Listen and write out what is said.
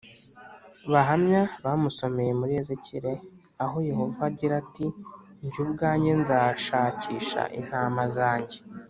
Bahamya bamusomeye muri Ezekiyeli aho Yehova agira ati jye ubwanjye nzashakisha intama zanjye